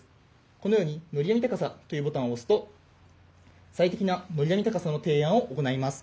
このように「のり網高さ」というボタンを押すと最適なのり網高さの提案を行います。